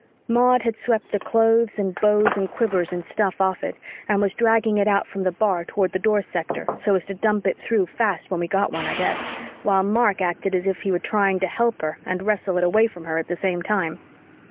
Maud had swept the clothes and bows and quivers and stuff off it and was dragging it out from the bar toward the Door sector, so as to dump it through fast when we got one, I guess, while Mark acted as if he were trying to help her and wrestle it away from her at the same time.